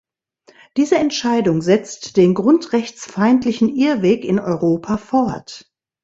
Diese Entscheidung setzt den grundrechtsfeindlichen Irrweg in Europa fort.